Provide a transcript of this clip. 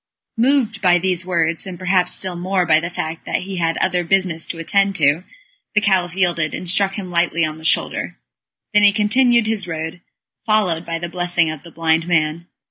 Moved by these words, and perhaps still more by the fact that he had other business to attend to, the Caliph yielded, and struck him lightly on the shoulder. Then he continued his road, followed by the blessing of the blind man.